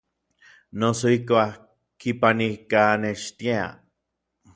Noso ijkuak kipanijkanextiaj.